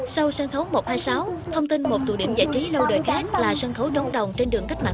sau sân khấu một trăm hai mươi sáu thông tin một tù điểm giải trí lâu đời khác là sân khấu đống đồng trên đường cách mạng